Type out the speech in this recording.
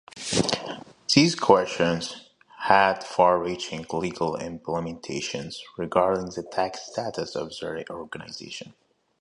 These questions had far-reaching legal implications regarding the tax status of their organizations.